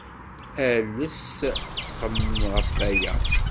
Ales xemmem ɣef waya.